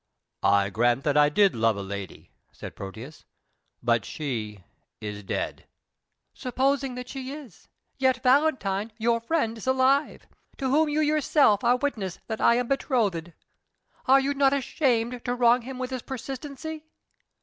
"I grant that I did love a lady," said Proteus, "but she is dead." "Supposing that she is, yet Valentine, your friend, is alive, to whom you yourself are witness that I am betrothed. Are you not ashamed to wrong him with this persistency?"